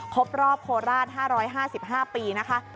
ครบรอบโคราช๕๕ปีนะคะ